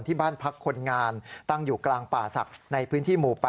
ที่บ้านพักคนงานตั้งอยู่กลางป่าศักดิ์ในพื้นที่หมู่๘